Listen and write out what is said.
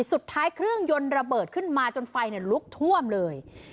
เครื่องยนต์ระเบิดขึ้นมาจนไฟลุกท่วมเลย